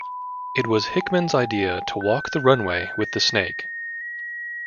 It was Hickmann's idea to walk the runway with the snake.